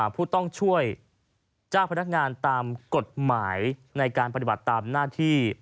ผู้ต้องช่วยจ้างพนักงานตามกฎหมายในการปฏิบัติตามหน้าที่